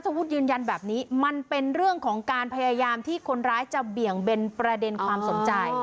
วุฒิยืนยันแบบนี้มันเป็นเรื่องของการพยายามที่คนร้ายจะเบี่ยงเบนประเด็นความสนใจ